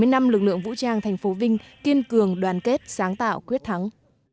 bảy mươi năm lực lượng vũ trang thành phố vinh kiên cường đoàn kết sáng tạo quyết thắng